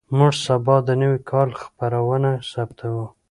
موږ سبا د نوي کال خپرونه ثبتوو.